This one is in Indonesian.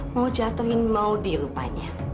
mau jatuhin maudi rupanya